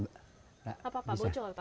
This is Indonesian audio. apa pak bocor pak